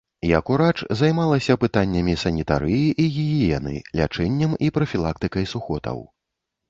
Як урач займалася пытаннямі санітарыі і гігіены, лячэннем і прафілактыкай сухотаў.